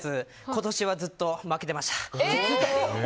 今年はずっと負けていました。